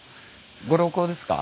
ご旅行ですか？